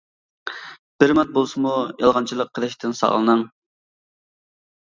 بىر مىنۇت بولسىمۇ يالغانچىلىق قىلىشتىن ساقلىنىڭ.